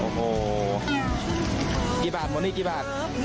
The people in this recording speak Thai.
โอ้โหกี่บาทหมดนี่กี่บาท